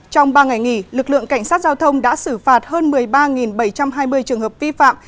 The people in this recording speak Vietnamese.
trong ba ngày nghỉ lực lượng cảnh sát giao thông đã xử phạt hơn một mươi ba bảy trăm hai mươi trường hợp vi phạm